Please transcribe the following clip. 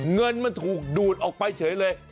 เงินมันถูกดูดออกไปเฉยเลย